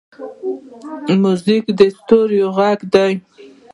موزیک د ستوریو غږ دی.